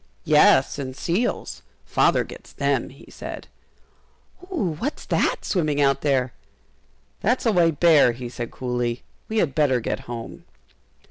"Yes, and seals; Father gets them," he said. "Oh, what's that, swimming out there?" "That's a white bear," he said, coolly; "we had better get home."